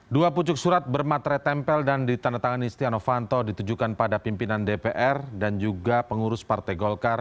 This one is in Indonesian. dua pucuk surat bermatret tempel dan ditandatangan istihano vanto ditujukan pada pimpinan dpr dan juga pengurus partai golkar